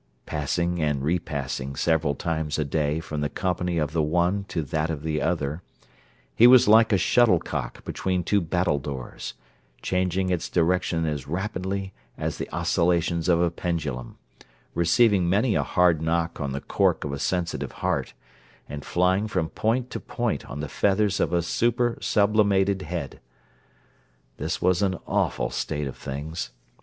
Passing and repassing several times a day from the company of the one to that of the other, he was like a shuttlecock between two battledores, changing its direction as rapidly as the oscillations of a pendulum, receiving many a hard knock on the cork of a sensitive heart, and flying from point to point on the feathers of a super sublimated head. This was an awful state of things.